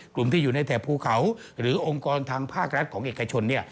กลุ่มที่อยู่ในแถบภูเขาหรือองค์กรทางภาครัฐของเอกชน